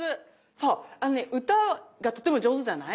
そうあのね歌がとても上手じゃない。